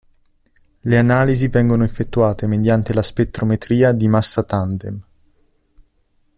Le analisi vengono effettuate mediante la spettrometria di massa tandem.